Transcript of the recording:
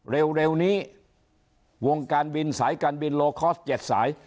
เร็วเร็วนี้วงการบินสายการบินโลคอสเจ็ดสาย